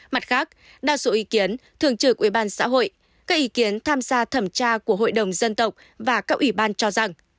mặt khác đa số ý kiến thượng trưởng ubnd xã hội các ý kiến tham gia thẩm tra của hội đồng dân tộc và các ủy ban cho rằng